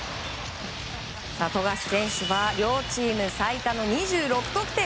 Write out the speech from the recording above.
富樫選手は両チーム最多の２６得点。